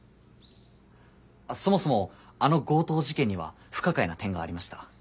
そもそもあの強盗事件には不可解な点がありました。